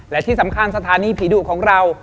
และที่สำคัญสถานีผีดุของเรา